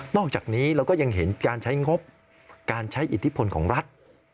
อกจากนี้เราก็ยังเห็นการใช้งบการใช้อิทธิพลของรัฐ